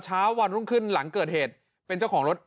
เช้าวันรุ่งขึ้นหลังเกิดเหตุเป็นเจ้าของรถ